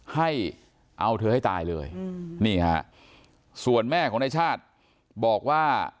ให้เอาเธอให้ตายเลยนี่ฮะส่วนแม่ของนายชาติบอกว่า